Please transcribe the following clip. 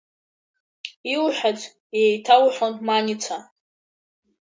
Илҳәац еиҭалҳәон Маница.